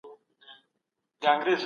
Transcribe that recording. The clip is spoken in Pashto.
مغولو غوښتل چي نور خلک هم مسلمانان سي.